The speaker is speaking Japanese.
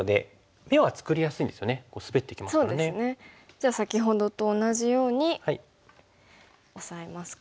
じゃあ先ほどと同じようにオサえますか。